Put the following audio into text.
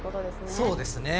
そうですね。